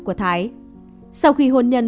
của thái sau khi hôn nhân